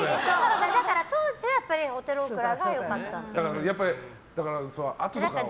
だから当時はホテルオークラが良かったんだと。